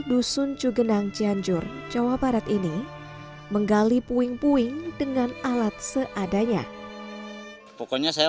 dusun cugenang cianjur jawa barat ini menggali puing puing dengan alat seadanya pokoknya saya